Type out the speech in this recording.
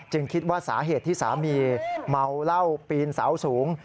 คิดว่าสาเหตุที่สามีเมาเหล้าปีนเสาสูง